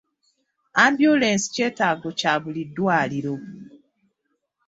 Ambyulensi kyetaago kya buli ddwaliro.